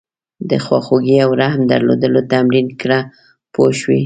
د خواخوږۍ او رحم درلودل تمرین کړه پوه شوې!.